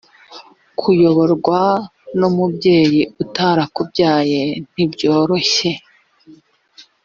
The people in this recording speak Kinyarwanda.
kuyoborwa n umubyeyi utarakubyaye ntibyoroshye